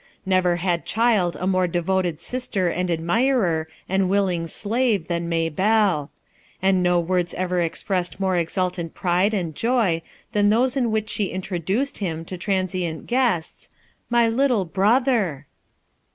Never had child a more devoted sister and admirer and willing slave than May belle; and no words ever ex pressed more exultant pride and joy than those in which she introduced him to transient guests: " Sly little brother."